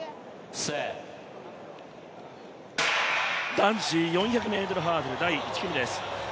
男子４００ｍハードル、第１組です。